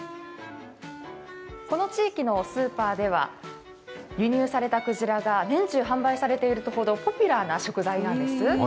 この地域のスーパーでは輸入されたくじらが年中販売されているほどポピュラーな食材なんです。